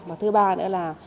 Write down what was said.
và thứ ba nữa là